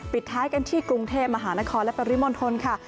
ปิดท้ายกันที่กรุงเทพมหานครและปริมณฑลค่ะ